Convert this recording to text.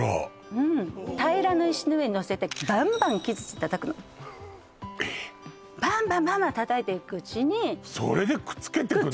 うん平らな石の上にのせてバンバン木づちで叩くのえっバンバンバンバン叩いていくうちにそれでくっつけていくの？